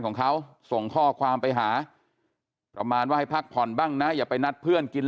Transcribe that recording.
ของเขาส่งข้อความไปหาประมาณว่าให้พักผ่อนบ้างนะอย่าไปนัดเพื่อนกิน